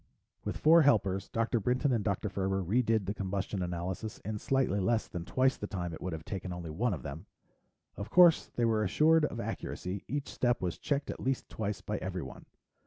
With four helpers, Dr. Brinton and Dr. Ferber redid the combustion analysis in slightly less than twice the time it would have taken only one of them. Of course they were assured of accuracy; each step was checked at least twice by everyone.